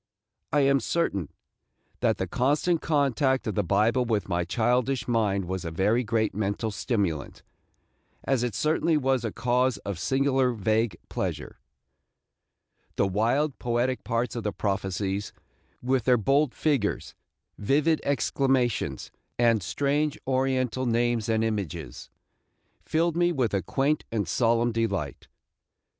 I am certain that the constant contact of the Bible with my childish mind was a very great mental stimulant, as it certainly was a cause of a singular vague pleasure. The wild, poetic parts of the prophecies, with their bold figures, vivid exclamations, and strange Oriental names and images, filled me with a quaint and solemn delight.